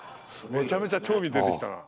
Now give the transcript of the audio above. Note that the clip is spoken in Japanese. めちゃめちゃ興味出てきたな。